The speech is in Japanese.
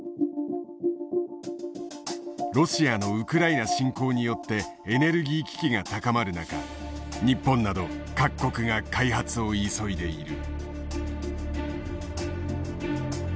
ロシアのウクライナ侵攻によってエネルギー危機が高まる中日本など各国が開発を急いでいる。